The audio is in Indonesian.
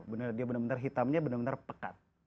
benar benar dia benar benar hitamnya benar benar pekat